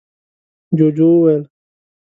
ُجوجُو وويل: